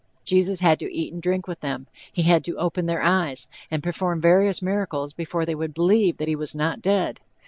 Jesus had to eat and drink with them, he had to "open their eyes," and perform various miracles before they would believe that he was not dead.